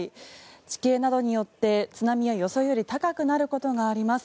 地形などによって津波は予想より高くなることがあります。